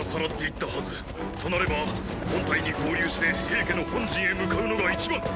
となれば本隊に合流して平家の本陣へ向かうのが一番。